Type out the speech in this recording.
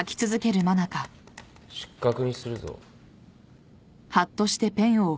失格にするぞ。